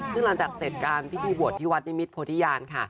ซึ่งหลังจากเสร็จการพิธีบวชที่วัดนิมิตโพธิญาณค่ะ